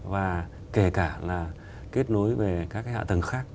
và kể cả là kết nối về các cái hạ tầng khác